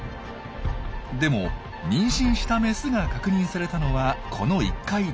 でも妊娠したメスが確認されたのはこの１回だけ。